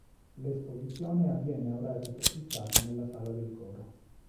L'esposizione avviene a orari prefissati nella Sala del Coro.